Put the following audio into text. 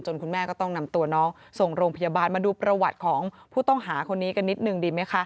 คุณแม่ก็ต้องนำตัวน้องส่งโรงพยาบาลมาดูประวัติของผู้ต้องหาคนนี้กันนิดนึงดีไหมคะ